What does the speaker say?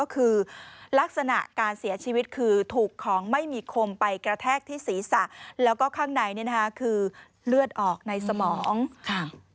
คือถูกของไม่มีคมไปกระแทกที่ศีรษะแล้วก็ข้างในคือเลือดออกในสมอง